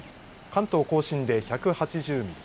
関東甲信で１８０ミリ